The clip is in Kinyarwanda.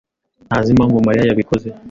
ntazi impamvu Mariya yabikoze.